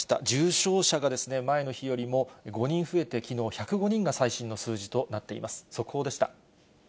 重症者が前の日よりも５人増えて、きのう１０５人が最新の数字となっています。